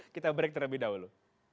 kita break terlebih dahulu